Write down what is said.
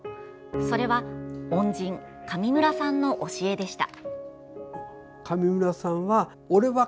それは、恩人上村さんの教えでした。